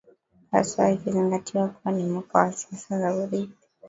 haswa ikizingatiwa kuwa ni mwaka wa siasa za urithi